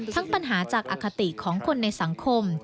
ปัญหาจากอคติของคนในสังคม